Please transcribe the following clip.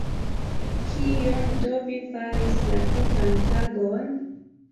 Kion do vi faris la tutan tagon?